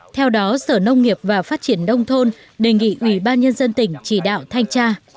theo đó sở nông nghiệp và phát triển đông thôn đề nghị ủy ban nhân dân tỉnh chỉ đạo thanh tra